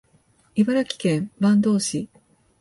茨城県坂東市